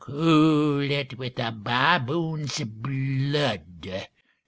Cool it with a baboon's blood.